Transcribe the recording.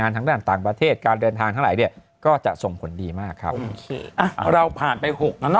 ถ้าสมมติขัน๒ปีมาได้